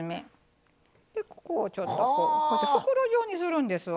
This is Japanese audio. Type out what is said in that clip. でここをちょっとこうこうやって袋状にするんですわ。